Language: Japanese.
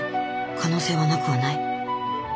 可能性はなくはない。